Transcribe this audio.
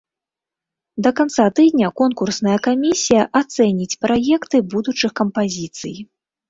Да канца тыдня конкурсная камісія ацэніць праекты будучых кампазіцый.